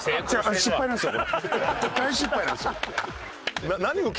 大失敗なんですよ。